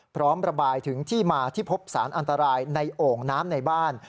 พร้อมระบายถึงที่มาที่พบสารอันตรายในโอ่งน้ำในบ้าน